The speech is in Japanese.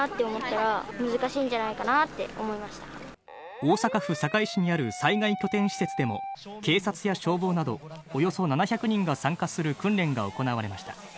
大阪府堺市にある災害拠点施設でも警察や消防など、およそ７００人が参加する訓練が行われました。